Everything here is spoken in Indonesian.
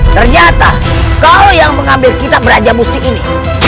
ternyata kau yang mengambil kitab raja musti ini